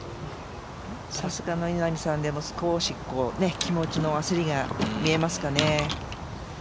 さすがの稲見さんでも、少し気持ちの焦りが見えますかね。